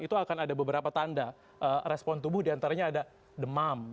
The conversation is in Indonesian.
itu akan ada beberapa tanda respon tubuh diantaranya ada demam